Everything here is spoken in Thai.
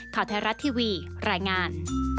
ข่าวไทยรัฐทีวีรายงาน